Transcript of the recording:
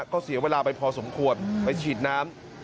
ก็เสียเวลาไปพอสมควรไปฉีดน้ำ